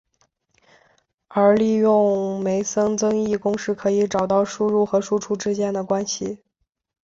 而利用梅森增益公式可以找到输入和输出之间的关系。